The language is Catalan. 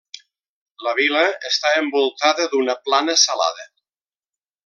La vila està envoltada d'una plana salada.